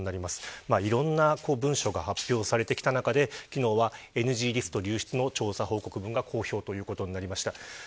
いろいろな文書が発表されてきた中で昨日はＮＧリストの調査報告文が公表となりました。